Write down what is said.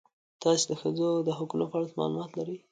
تاسې د ښځو د حقونو په اړه څه معلومات لرئ؟